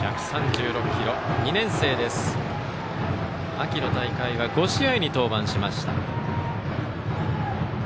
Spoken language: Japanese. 秋の大会は５試合に登板しました。